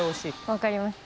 分かります。